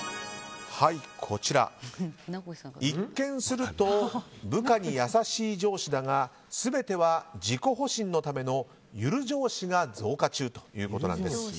一見すると部下に優しい上司だが全ては自己保身のためのゆる上司が増加中ということだそうです。